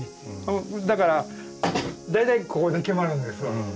だから大体ここで決まるんですわ。